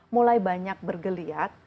mulai banyak bergeliat